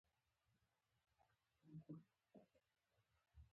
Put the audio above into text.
تربوز په سویل لویدیځ کې ښه حاصل ورکوي